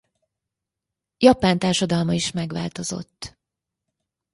Japán társadalma is megváltozott.